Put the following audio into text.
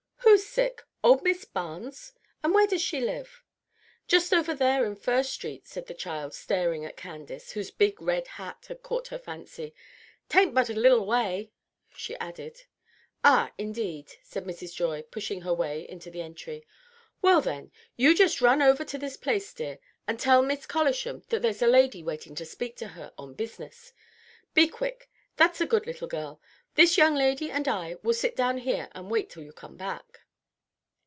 "Who's sick? old Miss Barnes? And where does she live?" "Just over there in First Street," said the child, staring at Candace, whose big red hat had caught her fancy. "'Tain't but a little way," she added. "Ah, indeed!" said Mrs. Joy, pushing her way into the entry. "Well, then, you just run over to this place, dear, and tell Miss Collisham that there's a lady waiting to speak to her on business. Be quick, that's a good little girl! This young lady and I will sit down here and wait till you come back."